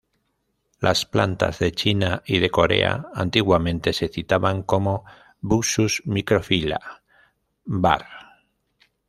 Las plantas de China y de Corea antiguamente se citaban como "Buxus microphylla" var.